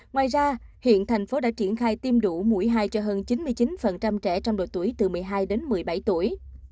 ngoài ra hiện thành phố đã triển khai tiêm đủ mũi hai cho hơn chín mươi chín trẻ trong độ tuổi từ một mươi hai đến một mươi bảy tuổi